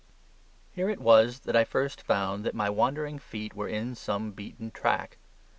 Here it was that I first found that my wandering feet were in some beaten track.